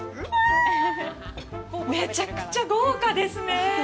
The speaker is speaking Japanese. めちゃくちゃ豪華ですね。